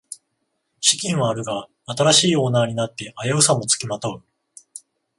資金はあるが新しいオーナーになって危うさもつきまとう